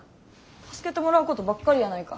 助けてもらうことばっかりやないか。